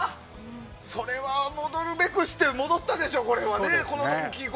それは戻るべくして戻ったでしょう。